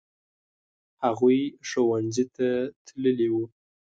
هغوی ښوونځي ته تللي وو.